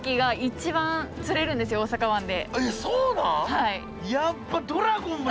はい。